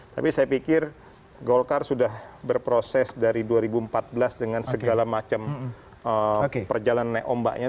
tapi saya pikir golkar sudah berproses dari dua ribu empat belas dengan segala macam perjalanan naik ombaknya